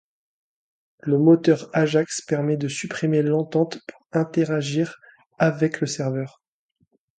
Le moteur ajax permet de supprimer l'attente pour interagir avec le serveur.